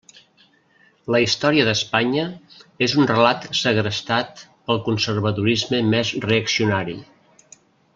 La història d'Espanya és un relat segrestat pel conservadorisme més reaccionari.